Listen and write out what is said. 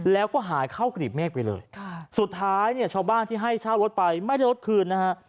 แล้วก็หายเข้ากรีบเมฆไปเลยสุดท้ายเนี่ยชาวบ้านที่ให้เช่ารถไปไม่ได้รถคืนนะฮะ